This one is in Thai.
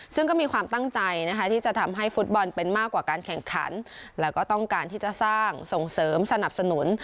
ซึ่งก็มีความตั้งใจนะคะที่จะทำให้ฟุตบอลเป็นมากกว่าการแข่งขันแล้วก็ต้องการที่จะสร้างส่งเสริมสนับสนุน